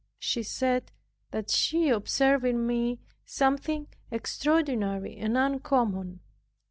She said that she observed in me something extraordinary and uncommon.